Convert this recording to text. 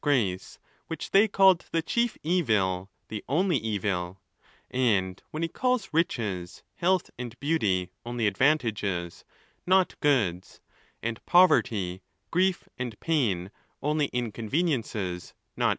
423. grace, which they cailed the chief evil—the only evil; and when he calls riches, health, and beauty, only advantages, not goods,—and poverty, grief, and pain, only inconveniences, not.